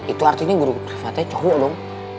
itu artinya guru privatnya cowok dong